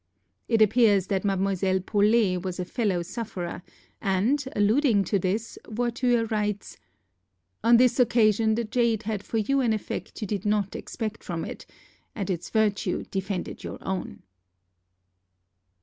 It appears that Mlle. Paulet was a fellow sufferer, and, alluding to this, Voiture writes: "On this occasion the jade had for you an effect you did not expect from it, and its virtue defended your own."